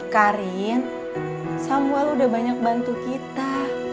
karin samuel udah banyak bantu kita